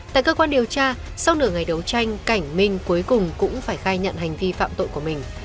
tại cơ quan điều tra sau nửa ngày đấu tranh cảnh minh cuối cùng cũng phải khai nhận hành vi phạm tội của mình